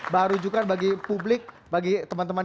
barujukan bagi publik bagi teman teman